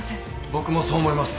僕もそう思います。